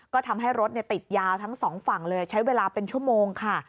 ก็ทำให้รถติดยาวทั้งสองฝั่งเลยใช้เวลาเป็นชั่วโมงค่ะ